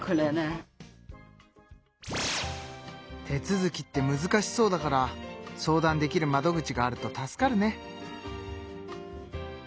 手続きってむずかしそうだから相談できる窓口があると助かるね。